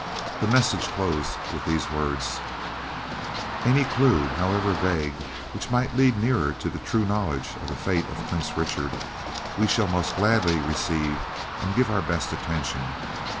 The message closed with these words: "Any clew, however vague, which might lead nearer to a true knowledge of the fate of Prince Richard, we shall most gladly receive and give our best attention.